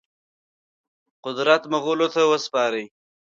قدرت مغولو ته وسپاري.